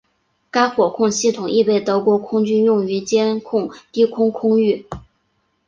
该火控系统亦被德国空军用于监控低空空域。